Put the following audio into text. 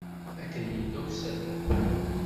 Akken yella usatal.